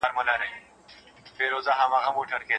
ورینولۍ